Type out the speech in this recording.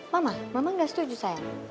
mama mama gak setuju sayang